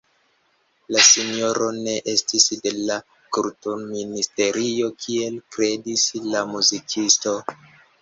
La sinjoro ne estis de la Kulturministerio kiel kredis la muzikisto.